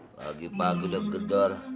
pagi pagi udah gedor